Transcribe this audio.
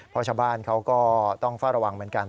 เพราะชาวบ้านเขาก็ต้องเฝ้าระวังเหมือนกัน